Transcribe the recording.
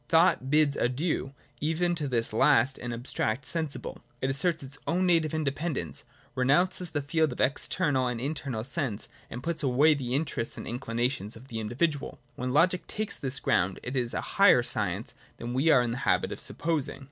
Thought bids adieu even to this last and abstract sensible : it asserts its own native independence, renounces the field of the external and internal sense, and puts away the interests and inclinations of the individual. When Loo ic takes this ground, it is a higher science than we are in the habit of supposing.